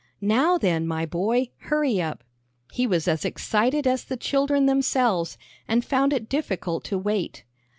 "Now then, my boy, hurry up." He was as excited as the children themselves, and found it as difficult to wait.